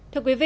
thưa quý vị